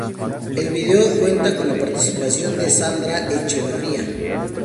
El video cuenta con la participación de Sandra Echeverría.